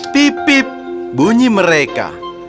pip pip bunyi mereka